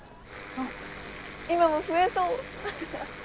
あっ今も増えそうアハハ。